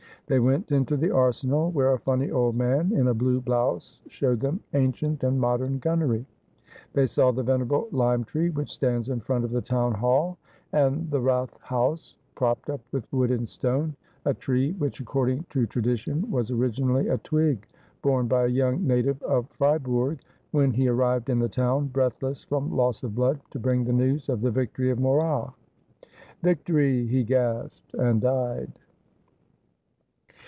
They went into the arsenal, where a funny old man in a blue blouse showed them ancient and modern gunnery. They saw the venerable lime tree which stands in front of the Town Hall and the Rathhaus, propped up with wood and stone ; a tree which, according to tradition, was originally a twig borne by a young native of Fri bourg when he arrived in the town, breathless from loss of blood, to bring the news of the victory of Morat. ' Victory !' he gasped, and died.